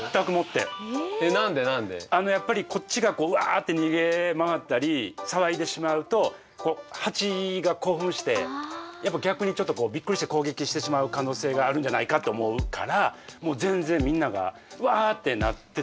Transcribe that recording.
やっぱりこっちがうわって逃げ回ったり騒いでしまうとハチが興奮してやっぱ逆にちょっとびっくりして攻撃してしまう可能性があるんじゃないかって思うからもう全然みんながうわってなってても